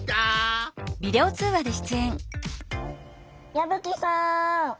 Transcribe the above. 矢吹さん。